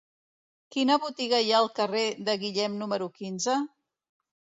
Quina botiga hi ha al carrer de Guillem número quinze?